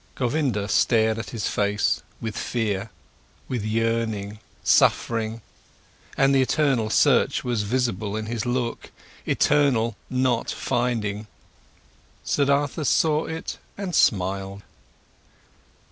Govinda stared at his face, with fear, with yearning, suffering, and the eternal search was visible in his look, eternal not finding. Siddhartha saw it and smiled.